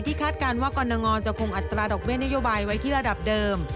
คาดการณ์ว่ากรณงจะคงอัตราดอกเบี้ยนโยบายไว้ที่ระดับเดิม